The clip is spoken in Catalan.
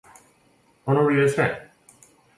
On hauria de ser?